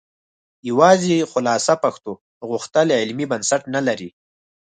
یوازې خالصه پښتو غوښتل علمي بنسټ نه لري